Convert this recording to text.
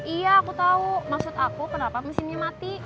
iya aku tahu maksud aku kenapa mesinnya mati